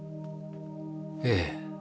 ええ。